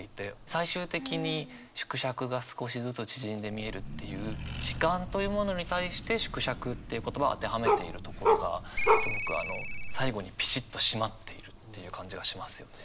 最終的に「縮尺が少しずつ縮んで見える」っていう時間というものに対して「縮尺」という言葉を当てはめているところがすごく最後にピシッと締まっているっていう感じがしますよね。